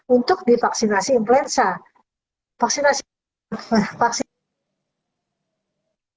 untuk divaksinasi influenza